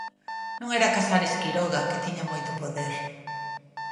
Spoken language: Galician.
Non era Casares Quiroga, que tiña moito poder.